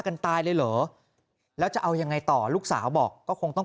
กันตายเลยเหรอแล้วจะเอายังไงต่อลูกสาวบอกก็คงต้อง